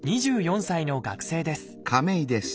２４歳の学生です。